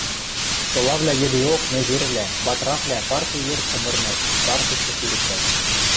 Солавлӓ йӹдеок незервлӓ, батраквлӓ парти йӹр цымырнат, Партишкы сирӹктӓт...